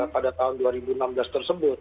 pada tahun dua ribu enam belas tersebut